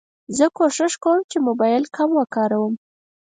زه کوښښ کوم چې موبایل کم وکاروم.